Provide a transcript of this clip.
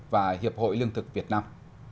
và hiệp hội lương thực việt nam